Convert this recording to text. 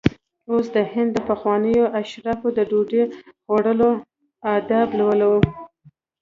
اوس د هند د پخوانیو اشرافو د ډوډۍ خوړلو آداب لولو.